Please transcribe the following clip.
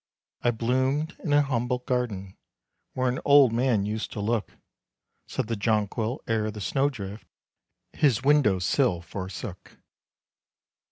"I bloomed in an humble garden, Where an old man used to look," Said the Johnquil, "ere the snow drift His window sill forsook."